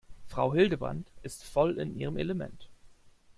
Frau Hildebrand ist voll in ihrem Element.